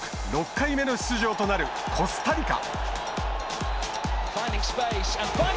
６回目の出場となるコスタリカ。